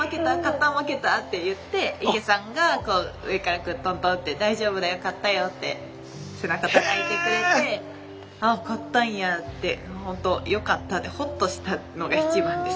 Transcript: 負けた？」って言って池さんが上からトントンって「大丈夫だよ勝ったよ」って背中たたいてくれて「あっ勝ったんや」ってほんとよかったってほっとしたのが一番ですね。